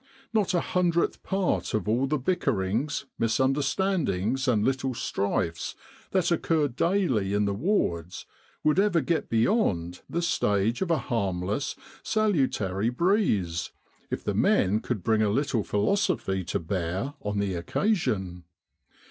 Not a hundredth part of all the bickerings, misunderstandings, and little strifes, that occur daily in the wards, would ever get beyond the stage of a harmless, salutary breeze, if the men could bring a little philosophy to bear on the occasion.